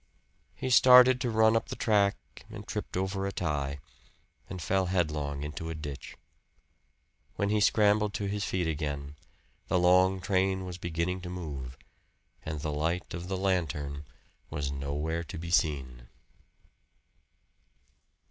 He started to run up the track and tripped over a tie and fell headlong into a ditch. When he scrambled to his feet again the long train was beginning to move, and the light of the lantern was nowhere to be seen.